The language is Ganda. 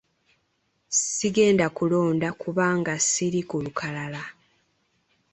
Sigenda kulonda kubanda kubanga siri ku lukalala.